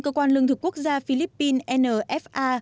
cơ quan lương thực quốc gia philippines nfa